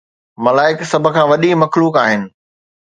ملائڪ سڀ کان وڏي مخلوق آهن